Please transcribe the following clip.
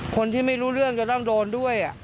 คนที่ไม่รู้เรื่องจะต้องโดนด้วย